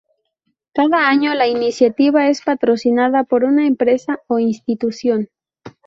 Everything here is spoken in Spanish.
Cada año, la iniciativa es patrocinada por una empresa o institución.